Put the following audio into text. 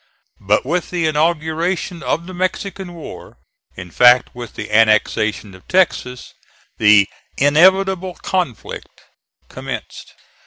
But with the inauguration of the Mexican war, in fact with the annexation of Texas, "the inevitable conflict" commenced.